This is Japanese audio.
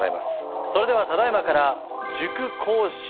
それではただいまから塾講師